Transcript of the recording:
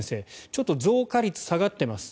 ちょっと増加率が下がっています。